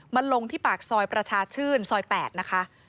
ลงที่ปากซอยประชาชื่นซอย๘นะคะ